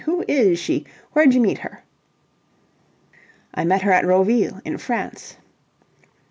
Who is she? Wherej meet her?" "I met her at Roville, in France."